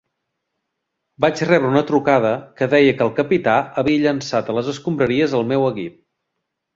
Vaig rebre una trucada que deia que el capità havia llançat a les escombraries el meu equip.